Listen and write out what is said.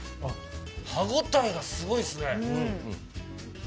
あっ、歯応えがすごいですね。